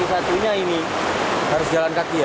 belanja gitu ya harus jalan kaki